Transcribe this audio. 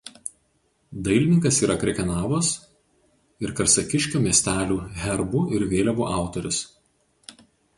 Dailininkas yra Krekenavos ir Karsakiškio miestelių herbų ir vėliavų autorius.